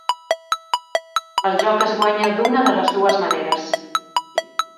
El joc es guanya d'una de les dues maneres.